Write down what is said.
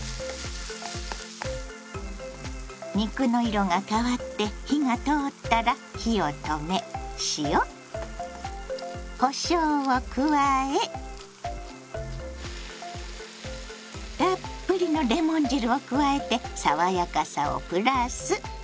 肉の色が変わって火が通ったら火を止め塩こしょうを加えたっぷりのレモン汁を加えて爽やかさをプラス。